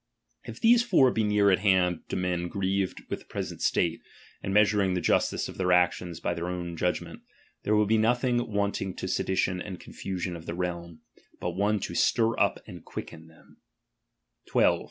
If these four be near at hand "to men grieved with the present state, and measur i:i3g the justice of their actions by their own judg xaaents ; there will be nothing wanting to sedition ^nd confusion of the realm, but one to stir up and Q'«('cieH ihent. 12.